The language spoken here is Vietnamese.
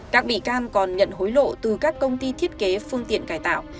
các bị can còn nhận hối lộ từ các công ty thiết kế phương tiện cải tạo